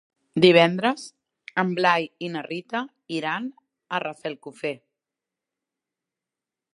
Divendres en Blai i na Rita iran a Rafelcofer.